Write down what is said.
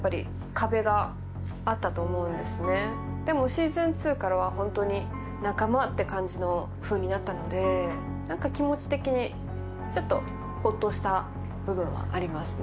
でも「Ｓｅａｓｏｎ２」からは本当に仲間って感じのふうになったので何か気持ち的にちょっとホッとした部分はありますね。